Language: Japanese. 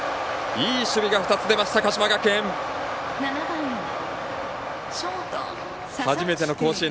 いい守備が２つ出ました鹿島学園。